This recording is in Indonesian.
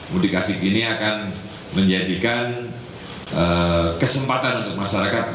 mudik asik ini akan menjadikan kesempatan untuk masyarakat